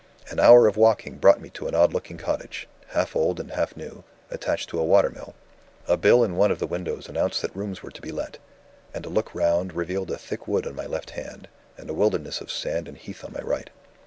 An hour of walking brought me to an odd looking cottage, half old and half new, attached to a water mill. A bill in one of the windows announced that rooms were to be let; and a look round revealed a thick wood on my left hand, and a wilderness of sand and heath on my right.